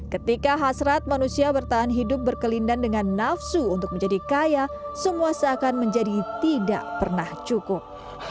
ketika hasrat manusia bertahan hidup berkelindan dengan nafsu untuk menjadi kaya semua seakan menjadi tidak pernah cukup